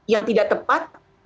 yang tidak tepat